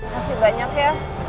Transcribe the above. terima kasih banyak ya